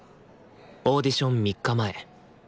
オーディション３日前。